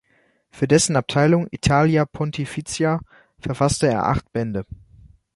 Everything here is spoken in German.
Für dessen Abteilung Italia Pontificia verfasste er acht Bände.